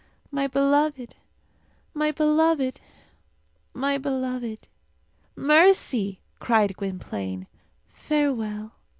My beloved! My beloved! My beloved!" "Mercy!" cried Gwynplaine. "Farewell!"